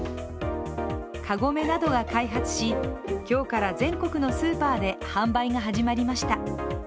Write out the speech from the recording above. カゴメなどが開発し今日から全国のスーパーで販売が始まりました。